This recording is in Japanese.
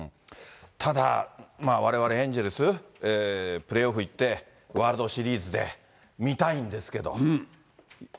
ただ、われわれ、エンゼルス、プレーオフいって、ワールドシリーズで見たいんですけど。